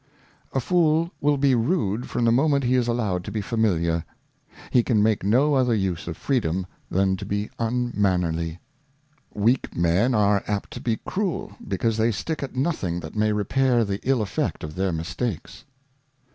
A Fool will be rude from the Moment he is allowed to be familiar; he can make no other use of Freedom than to be unmannerly. Weak Men are apt to be cruel, because they stick at nothing that may repair the ill Effect of their Mistakes.